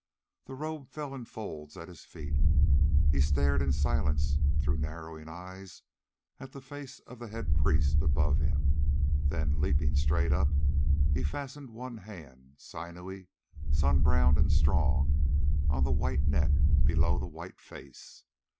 The robe fell in folds at his feet. He stared in silence, through narrowing eyes, at the face of the head priest above him. Then, leaping straight up, he fastened one hand, sinewy, sun browned and strong, on the white neck below the white face.